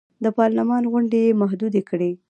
د پارلمان غونډې یې محدودې کړې.